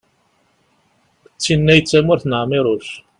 d tin-a i d tamurt n ԑmiruc